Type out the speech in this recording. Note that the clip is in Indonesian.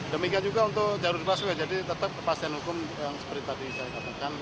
demikian juga untuk jalur busway jadi tetap kepastian hukum yang seperti tadi saya katakan